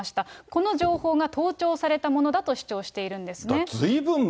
この情報が盗聴されたものだと主張しているんですね。